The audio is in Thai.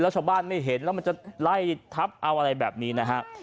ชาวบ้านไม่เห็นแล้วมันจะไล่ทับเอาอะไรแบบนี้นะฮะ